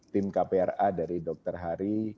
tim kpra dari dokter hari